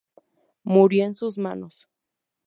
Murió en sus manos".